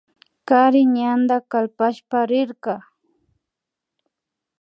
Kari ñanda kalpashpa rirka